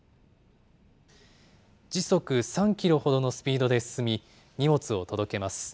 時速３キロほどのスピードで進み、荷物を届けます。